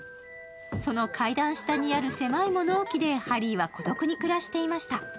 その階段下にある狭い物置でハリーは孤独に暮らしていました。